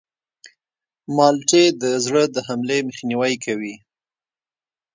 مالټې د زړه د حملې مخنیوی کوي.